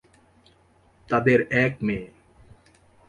তাদের এক মেয়ে।